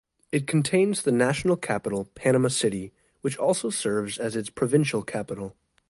It contains the national capital Panama City, which also serves as its provincial capital.